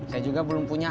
saya juga belum punya